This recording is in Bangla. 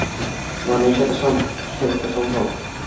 মানে, সেটা তো সম্ভব।